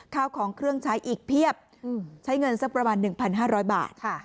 ข้าวของเครื่องใช้อีกเพียบใช้เงินสักประมาณ๑๕๐๐บาท